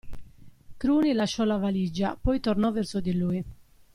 Cruni lasciò la valigia, poi tornò verso di lui.